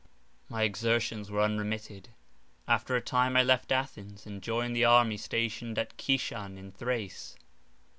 My exertions were unremitted: after a time I left Athens, and joined the army stationed at Kishan in Thrace.